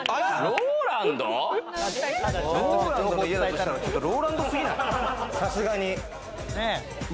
ＲＯＬＡＮＤと家だとしたらＲＯＬＡＮＤすぎない？